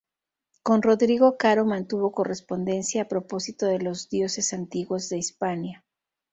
Con Rodrigo Caro mantuvo correspondencia a propósito de los Dioses antiguos de Hispania.